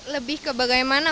lebih ke bagaimana